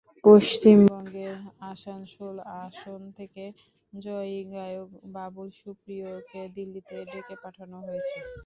পশ্চিমবঙ্গের আসানসোল আসন থেকে জয়ী গায়ক বাবুল সুপ্রিয়কে দিল্লিতে ডেকে পাঠানো হয়েছে।